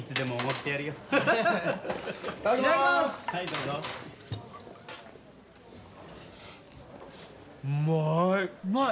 うまい！